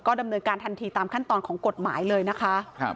ดำเนินการทันทีตามขั้นตอนของกฎหมายเลยนะคะ